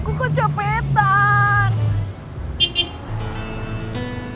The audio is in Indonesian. kecopetan di mana